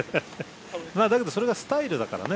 だけどそれがスタイルだからね。